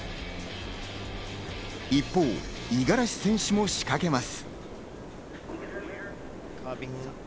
一方、五十嵐選手も仕掛けます。